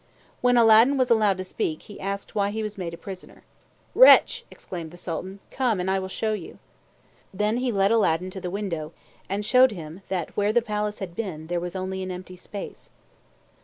When Aladdin was allowed to speak, he asked why he was made prisoner. "Wretch!" exclaimed the Sultan. "Come and I will show you." Then he led Aladdin to the window and showed him that where the palace had been there was only an empty space.